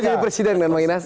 jadi presiden bang inas